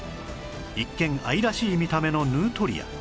一見愛らしい見た目のヌートリア